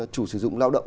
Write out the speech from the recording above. chủ sử dụng lao động